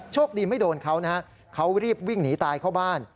โชคดีไม่โดนเขานะฮะเขารีบวิ่งหนีตายเข้าบ้าน